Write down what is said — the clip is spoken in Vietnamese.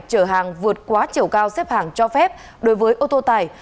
chở hàng vượt quá chiều cao xếp hàng cho phép đối với ô tô tải